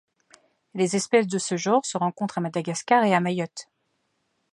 Les espèces de ce genre se rencontrent à Madagascar et à Mayotte.